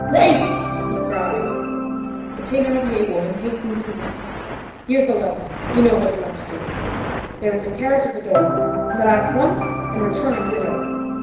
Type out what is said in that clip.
"Wife!" he cried. The Thénardier woman hastened to him. "Here's the letter. You know what you have to do. There is a carriage at the door. Set out at once, and return ditto."